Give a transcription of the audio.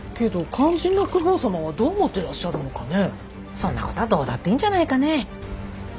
そんなこたどうだっていいんじゃないかねぇ。